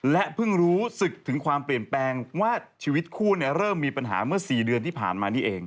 และเพิ่งรู้สึกถึงความเปลี่ยนแปลงว่าชีวิตคู่เริ่มมีปัญหาเมื่อ๔เดือนที่ผ่านมานี่เอง